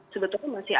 sebetulnya masih ada